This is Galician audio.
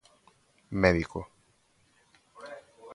Médico.